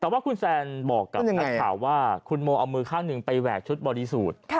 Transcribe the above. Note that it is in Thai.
แต่ว่าคุณแซนบอกกับนักข่าวว่าคุณโมเอามือข้างหนึ่งไปแหวกชุดบริสูจน์